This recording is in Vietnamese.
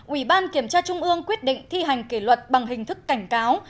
ủy ban kiểm tra trung ương quyết định thi hành kỷ luật bằng hình thức cảnh cáo